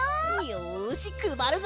よしくばるぞ！